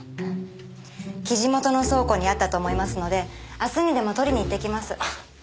生地元の倉庫にあったと思いますので明日にでも取りに行ってきます。